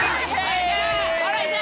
ほらいた！